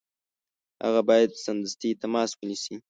هغه باید سمدستي تماس ونیسي.